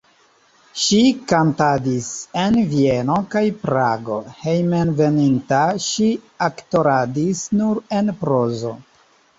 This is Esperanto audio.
Ŝi kantadis en Vieno kaj Prago, hejmenveninta ŝi aktoradis nur en prozo.